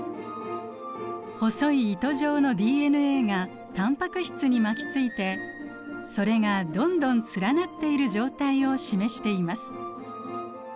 細い糸状のＤＮＡがタンパク質に巻きついてそれがどんどん連なっている状態を示しています。